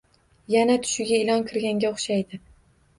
Yana tushiga ilon kirganga o`xshaydi